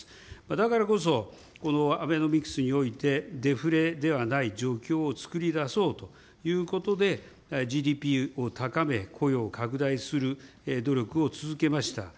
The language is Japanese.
だからこそ、アベノミクスにおいて、デフレではない状況を作り出そうということで、ＧＤＰを高め、雇用を拡大する努力を続けました。